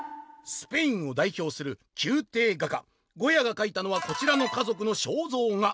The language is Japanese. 「スペインをだいひょうするきゅうてい画家ゴヤが描いたのはこちらの家族の肖像画」。